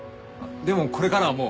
でもこれからはもう。